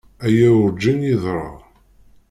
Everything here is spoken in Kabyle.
Aya urǧin yeḍra.